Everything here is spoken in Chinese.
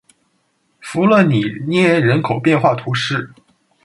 弗勒里涅人口变化图示